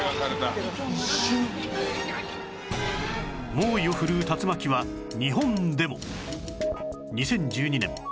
猛威を振るう竜巻は日本でも